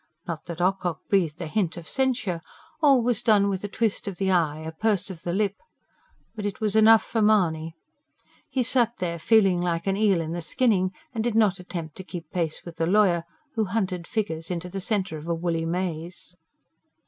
Not that Ocock breathed a hint of censure: all was done with a twist of the eye, a purse of the lip; but it was enough for Mahony. He sat there, feeling like an eel in the skinning, and did not attempt to keep pace with the lawyer, who hunted figures into the centre of a woolly maze.